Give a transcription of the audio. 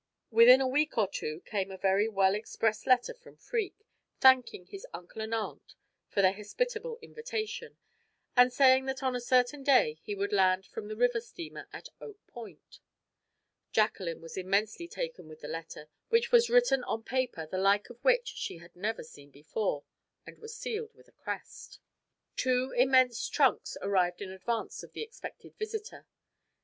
Within a week or two came a very well expressed letter from Freke, thanking his uncle and aunt for their hospitable invitation, and saying that on a certain day he would land from the river steamer at Oak Point. Jacqueline was immensely taken with the letter, which was written on paper the like of which she had never seen before, and was sealed with a crest. Two immense trunks arrived in advance of the expected visitor.